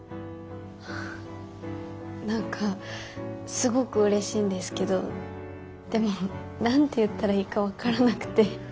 あ何かすごくうれしいんですけどでも何て言ったらいいか分からなくて。